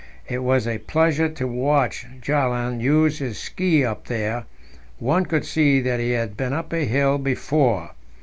It was a pleasure to watch Bjaaland use his ski up there; one could see that he had been up a hill before.